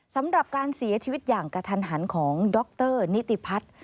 สำหรับการเสียชีวิตอย่างกระทันหันของดรนิติพัฒน์